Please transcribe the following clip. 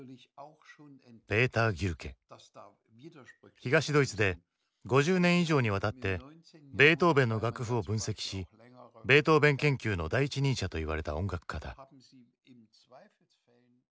東ドイツで５０年以上にわたってベートーヴェンの楽譜を分析しベートーヴェン研究の第一人者といわれた音楽家だ。